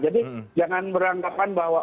jadi jangan beranggapan bahwa